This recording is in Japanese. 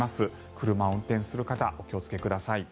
車を運転する方お気をつけください。